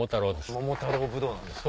桃太郎ぶどうなんですか。